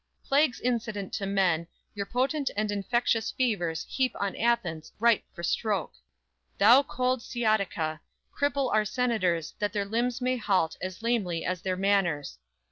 Plagues incident to men, Your potent and infectious fevers heap On Athens, ripe for stroke! thou cold sciatica, Cripple our senators, that their limbs may halt As lamely as their manners!